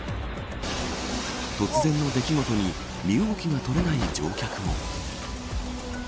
突然の出来事に身動きが取れない乗客も。